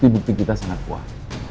bukti bukti kita sangat kuat